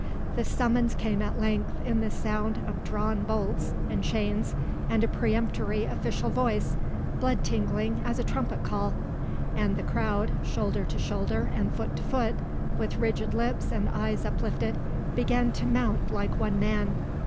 The summons came at length in the sound of drawn bolts and chains and a peremptory official voice, blood tingling as a trumpet call; and the crowd, shoulder to shoulder and foot to foot, with rigid lips and eyes uplifted, began to mount like one man.